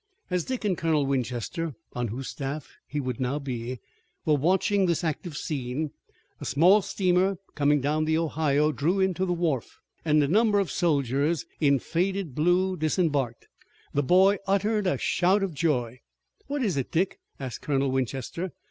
As Dick and Colonel Winchester, on whose staff he would now be, were watching this active scene, a small steamer, coming down the Ohio, drew in to a wharf, and a number of soldiers in faded blue disembarked. The boy uttered a shout of joy. "What is it, Dick?" asked Colonel Winchester.